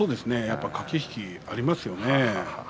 駆け引きがありますよね。